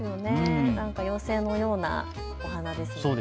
妖精のようなお花ですね。